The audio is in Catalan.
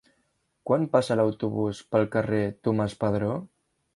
Quan passa l'autobús pel carrer Tomàs Padró?